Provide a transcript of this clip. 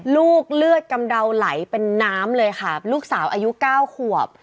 ลูกเลือดกำเดาไหลเป็นน้ำเลยค่ะลูกสาวอายุเก้าขวบ